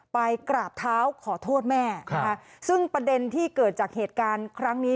ไปกราบเท้าขอโทษแม่นะคะซึ่งประเด็นที่เกิดจากเหตุการณ์ครั้งนี้